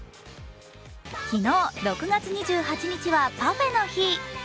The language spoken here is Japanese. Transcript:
昨日、６月２８日はパフェの日。